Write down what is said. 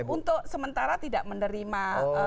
untuk sementara tidak menerima